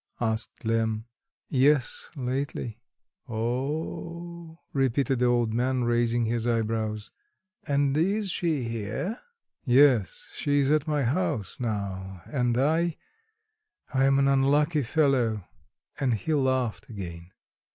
asked Lemm. "Yes, lately." "O oh," repeated the old man, raising his eyebrows. "And she is here?" "Yes. She is at my house now; and I... I am an unlucky fellow." And he laughed again.